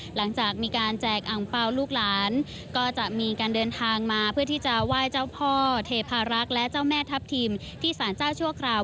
หลังจากมีการแจกอังเปล่าลูกหลานก็จะมีการเดินทางมาเพื่อที่จะไหว้เจ้าพ่อเทพารักษ์และเจ้าแม่ทัพทิมที่สารเจ้าชั่วคราว